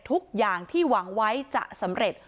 ทุกอย่างที่หวังไว้จะสำเร็จ